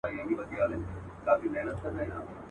چي پیر مو سو ملګری د شیطان څه به کوو؟.